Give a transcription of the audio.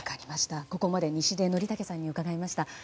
ここまで西出則武さんに伺いました。